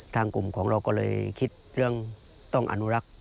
ทางกลุ่มของเราก็เลยคิดเรื่องต้องอนุรักษ์